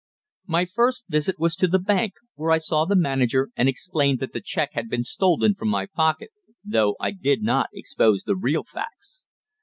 My first visit was to the bank, where I saw the manager and explained that the cheque had been stolen from my pocket, though I did not expose the real facts.